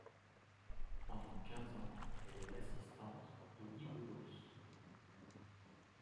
Pendant quinze ans, elle est l’assistante de Guy Bedos.